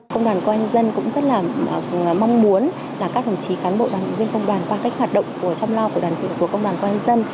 công đoàn công an nhân dân cũng rất là mong muốn là các đồng chí cán bộ đoàn viên công đoàn qua cách hoạt động trong lao của công đoàn công an nhân dân